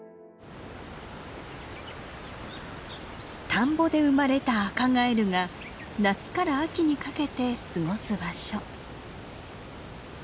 田んぼで生まれたアカガエルが夏から秋にかけて過ごす場所。